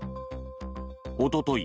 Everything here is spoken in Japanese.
おととい